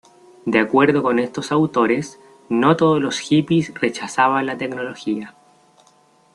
De acuerdo con estos autores, no todos los hippies rechazaban la tecnología.